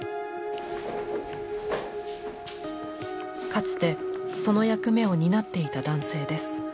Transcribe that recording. かつてその役目を担っていた男性です。